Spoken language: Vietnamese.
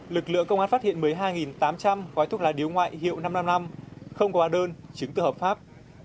lực lượng công an phát hiện mới hai tám trăm linh bao thuốc lá điếu ngoại hiệu năm trăm năm mươi năm không có bà đơn chứng tự hợp pháp